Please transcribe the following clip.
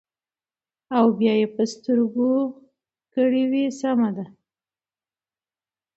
او بيا يې پۀ سترګو کړې وې سمه ده ـ